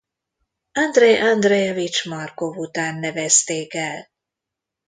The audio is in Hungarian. Andrej Andrejevics Markov után nevezték el.